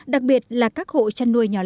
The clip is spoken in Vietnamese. đặc biệt là các hộ chăn nuôi nhỏ lẻ